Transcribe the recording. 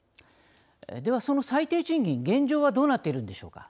では、その最低賃金現状はどうなっているんでしょうか。